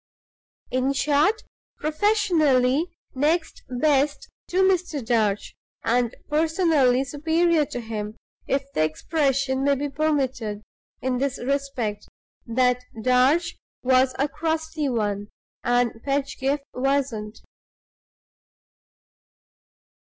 In short, professionally next best to Mr. Darch; and personally superior to him (if the expression might be permitted) in this respect that Darch was a Crusty One, and Pedgift wasn't.